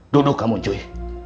duduk kamu joy